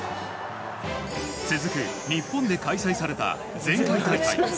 続く日本で開催された前回大会。